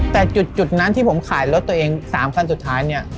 แต่จุดนั้นที่ผมขายรถตัวเอง๓คันสุดท้ายเนี่ย